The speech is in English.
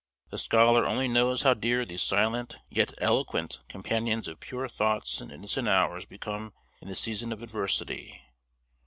The scholar only knows how dear these silent, yet eloquent, companions of pure thoughts and innocent hours become in the season of adversity.